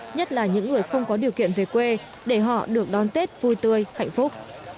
nhất là những người không có điều kiện về quê để họ được đón tết vui tươi hạnh phúc